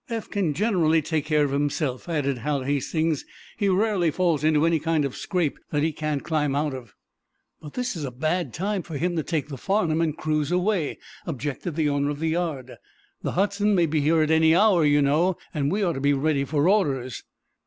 "Eph can generally take care of himself," added Hal Hastings. "He rarely falls into any kind of scrape that he can't climb out of." "But this is a bad time for him to take the 'Farnum' and cruise away," objected the owner of the yard. "The 'Hudson' may be here at any hour, you know, and we ought to be ready for orders."